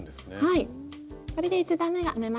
はい。